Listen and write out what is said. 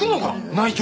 内調。